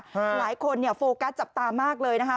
หลายคนเนี่ยโฟกัสจับตามากเลยนะคะ